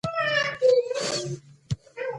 په کلي کې د زړو خلکو خبرې ډېرې ګټورې وي.